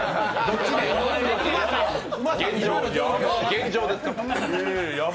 現状ですか？